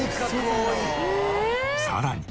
さらに。